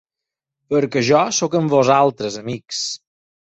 Perquè jo sóc en vosaltres, amics!